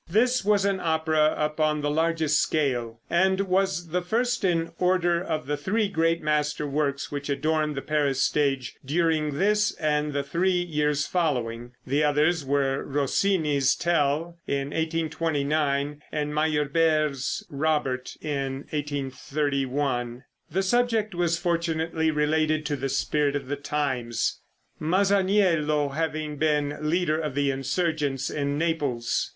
This was an opera upon the largest scale, and was the first in order of the three great master works which adorned the Paris stage during this and the three years following. The others were Rossini's "Tell" in 1829, and Meyerbeer's "Robert" in 1831. The subject was fortunately related to the spirit of the times, Masaniello having been leader of the insurgents in Naples.